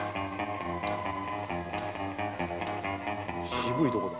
渋いとこだ。